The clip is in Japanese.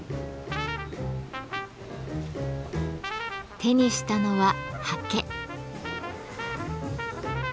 手にしたのは刷毛。